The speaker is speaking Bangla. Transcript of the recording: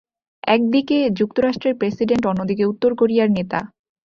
একদিকে যুক্তরাষ্ট্রের প্রেসিডেন্ট, অন্যদিকে উত্তর কোরিয়ার নেতা।